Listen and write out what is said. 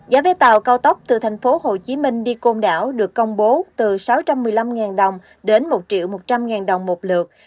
giá vé tàu cao tốc từ tp hcm đi côn đảo được công bố từ sáu trăm một mươi năm đồng đến một một trăm linh đồng một lượt